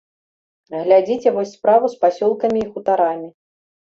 Глядзіце вось справу з пасёлкамі і хутарамі.